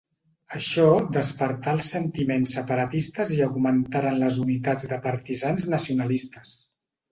Això despertà els sentiments separatistes i augmentaren les unitats de partisans nacionalistes.